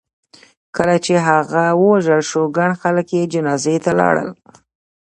کله چې هغه ووژل شو ګڼ خلک یې جنازې ته لاړل.